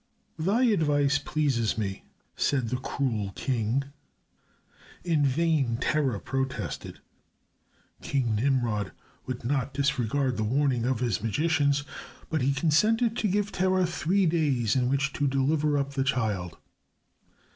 "Thy advice pleases me," said the cruel king. In vain Terah protested. King Nimrod would not disregard the warning of his magicians, but he consented to give Terah three days in which to deliver up the child.